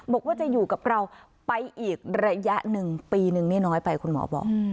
บอกว่าจะอยู่กับเราไปอีกระยะหนึ่งปีนึงไม่น้อยไปคุณหมอบอก